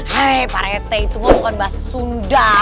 hai pak rete itu mah bukan bahasa sunda